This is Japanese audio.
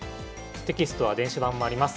テキストは電子版もあります。